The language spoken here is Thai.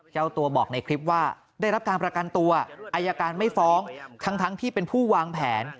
เจ้าตัวบอกในคลิปว่าได้รับการประกันตัวอายการไม่ฟ้องทั้งที่เป็นผู้วางแผน